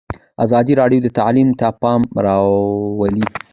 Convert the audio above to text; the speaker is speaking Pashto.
ازادي راډیو د تعلیم ته پام اړولی.